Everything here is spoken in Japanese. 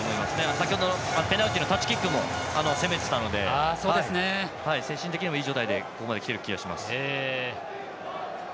先ほどのペナルティのタッチキックも攻めてたので精神的にも、いい状態でここまできている気がします。